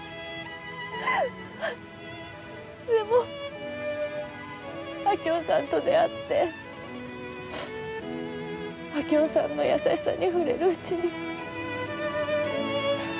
でも明夫さんと出会って明夫さんの優しさに触れるうちに。